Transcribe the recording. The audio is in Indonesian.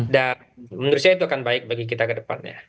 dan menurut saya itu akan baik bagi kita ke depan ya